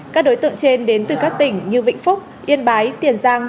các đối tượng trên đến từ các tỉnh như vĩnh phúc yên bái tiền giang